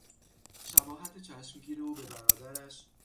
شباهت چشمگیر او به برادرش